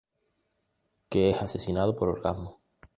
Que es asesinado por Orgasmo!